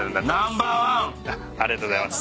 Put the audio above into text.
ありがとうございます。